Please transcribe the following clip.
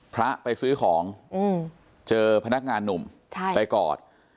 พระไปซื้อของเจอพนักงานหนุ่มไปกอด